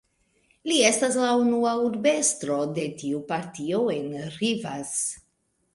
Li estas la unua urbestro de tiu partio en Rivas.